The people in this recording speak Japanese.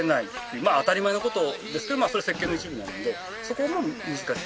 まあ当たり前の事ですけどそれ設計の一部なのでそこが難しさ。